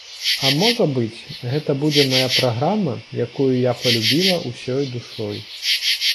А, можа быць, гэта будзе мая праграма, якую я палюбіла ўсёй душой.